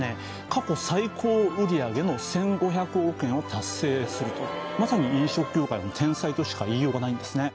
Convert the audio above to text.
過去最高売上の１５００億円を達成するとまさに飲食業界の天才としか言いようがないんですね